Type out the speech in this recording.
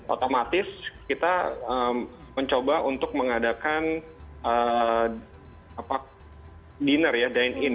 otomatis kita mencoba untuk mengadakan diner ya